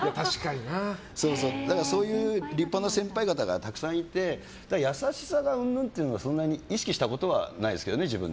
そういう立派な先輩方がたくさんいて優しさがうんぬんって意識したことはないですけどね。